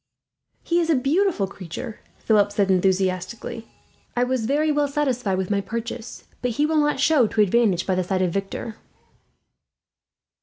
"He is a beautiful creature," Philip said enthusiastically. "I was very well satisfied with my purchase, but he will not show to advantage by the side of Victor."